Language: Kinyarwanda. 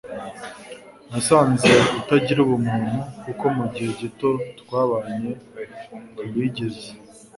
nasanze utagira ubumuntu kuko mu gihe gito twabanye ntiwigeze